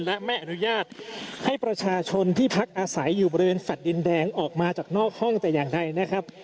และไม่อนุญาตให้ประชาชนที่พักอาศัยอยู่บริเวณแฟลต์ดินแดงออกมาจากนอกห้องแต่อย่างใดนะครับ